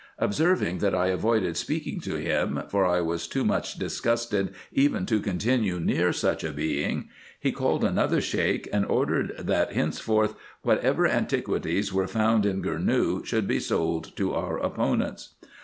Observing that I avoided speaking to him, for I was too much disgusted even to continue near such a being, he called another Sheik, and ordered, that henceforth whatever antiquities were found in Gournou should be sold to our opponents.